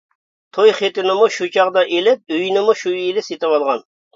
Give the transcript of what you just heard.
توي خىتىنىمۇ شۇ چاغدا ئېلىپ، ئۆينىمۇ شۇ يىلى سېتىۋالغان.